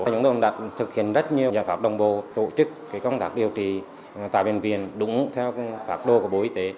huyện y tế đã thực hiện rất nhiều giải pháp đồng bộ tổ chức công tác điều trị tại bệnh viện đúng theo các đô của bộ y tế